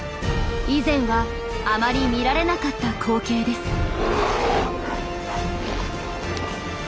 以前はあまり見られなかった光景です。